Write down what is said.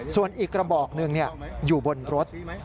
ส่วนอีกกระบอกหนึ่งอยู่บนรถ